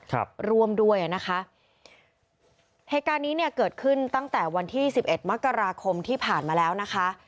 ครับร่วมด้วยอ่ะนะคะเหตุการณ์นี้เนี่ยเกิดขึ้นตั้งแต่วันที่สิบเอ็ดมกราคมที่ผ่านมาแล้วนะคะ